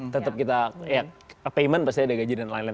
tetap kita ya payment pasti ada gaji dan lain lain